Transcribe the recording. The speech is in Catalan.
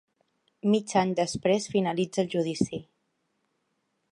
Mig any després finalitza el judici